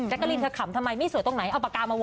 กะลินเธอขำทำไมไม่สวยตรงไหนเอาปากกามาวน